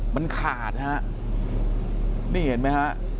มันขาดนะฮะนี่เห็นมั้ยฮะ